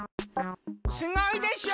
すごいでしょ！